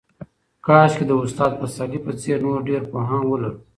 کاشکې د استاد پسرلي په څېر نور ډېر پوهان ولرو.